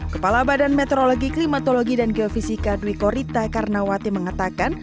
kepala badan meteorologi klimatologi dan geofisika dwi korita karnawati mengatakan